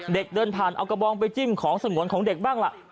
เดินผ่านเอากระบองไปจิ้มของสงวนของเด็กบ้างล่ะ